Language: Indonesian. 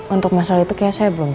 untuk masalah itu kayaknya saya belum